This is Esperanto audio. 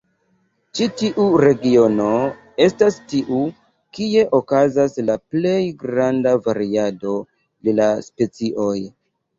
Ĉi tiu regiono estas tiu, kie okazas la plej granda variado de la specioj.